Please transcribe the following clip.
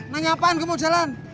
nanya apaan gue mau jalan